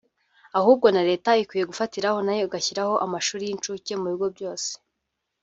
ahubwo na leta ikwiye gufatiraho nayo igashyiraho amashuri y’incuke mu bigo byose